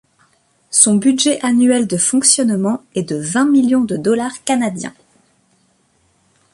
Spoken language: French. Son budget annuel de fonctionnement est de vingt millions de dollars canadiens.